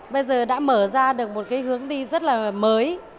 bây giờ đã mở ra được một cái hướng đi rất là mới